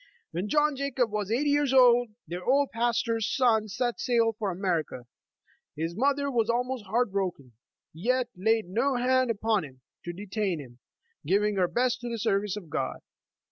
When John Jacob was eight years old, their old pas tor's son set sail for America. His mother was almost heart broken, yet laid no hand upon him to detain him, giving her best to the service of God.